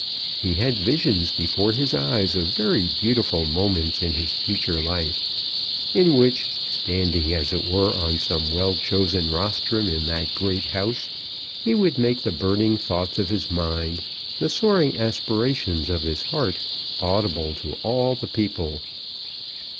He had visions before his eyes of very beautiful moments in his future life, in which, standing, as it were, on some well chosen rostrum in that great House, he would make the burning thoughts of his mind, the soaring aspirations of his heart, audible to all the people.